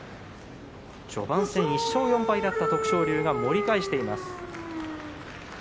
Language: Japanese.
序盤戦２勝４敗だった徳勝龍が盛り返しています。